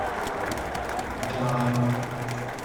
昺街